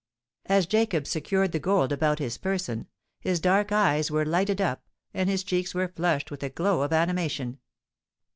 As Jacob secured the gold about his person, his dark eyes were lighted up, and his cheeks were flushed with a glow of animation.